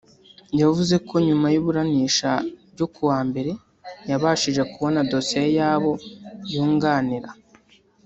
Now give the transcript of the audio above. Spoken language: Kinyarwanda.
yavuze ko nyuma y’iburanisha ryo kuwa mbere yabashije kubona dosiye y’abo yunganira